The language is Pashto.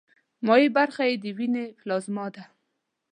مایع برخه یې د ویني پلازما ده.